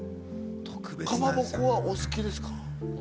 かまぼこはお好きですか？